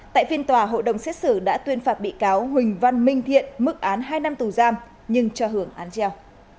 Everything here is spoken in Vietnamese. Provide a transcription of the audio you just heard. tại phiên tòa hội đồng xét xử đã tuyên phạt bị cáo huỳnh văn minh thiện mức án hai năm tù giam nhưng cho hưởng án treo